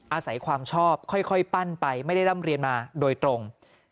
อาศัยความชอบค่อยปั้นไปไม่ได้ร่ำเรียนมาโดยตรง